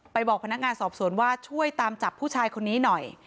บอกพนักงานสอบสวนว่าช่วยตามจับผู้ชายคนนี้หน่อย